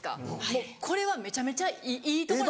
もうこれはめちゃめちゃいいとこなんですよ。